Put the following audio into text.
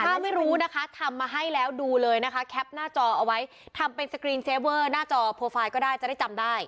ถ้าไม่รู้นะคะทำมาให้แล้วดูเลยนะคะแคปหน้าจอเอาไว้ทำเป็นสกรีนเซฟเวอร์หน้าจอโปรไฟล์ก็ได้จะได้จำได้